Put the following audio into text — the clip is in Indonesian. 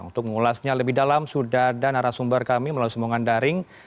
untuk mengulasnya lebih dalam sudah ada narasumber kami melalui semuanya daring